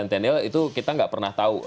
dan asian sentinel itu kita nggak pernah tahu